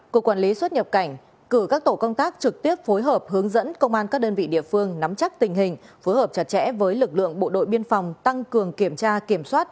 cục quản lý xuất nhập cảnh cử các tổ công tác trực tiếp phối hợp hướng dẫn công an các đơn vị địa phương nắm chắc tình hình phối hợp chặt chẽ với lực lượng bộ đội biên phòng tăng cường kiểm tra kiểm soát